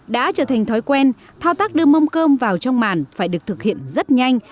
đã trở thành thói quen thao tác đưa mâm cơm vào trong màn phải được thực hiện rất nhanh